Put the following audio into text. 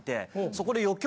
そこで。